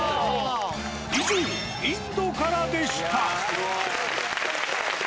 以上、インドからでした。